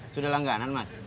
sudah langganan mas